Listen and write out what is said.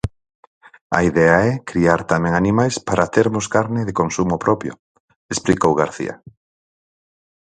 A idea é criar tamén animais para termos carne de consumo propio, explicou García.